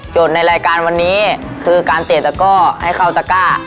โจทย์ในรายการวันนี้คือการเตะตะกร่าให้เข้าตะกร่า